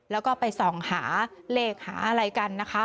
แล้วก็ไปส่องหาเลขหาอะไรกันนะคะ